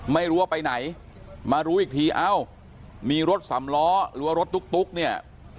ไม่รู้ว่าไปไหนมารู้อีกทีเอ้ามีรถสำล้อหรือว่ารถตุ๊กเนี่ย